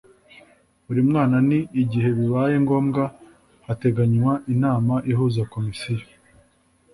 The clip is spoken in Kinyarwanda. buri mwaka n igihe bibaye ngombwa hateganywa inama ihuza komisiyo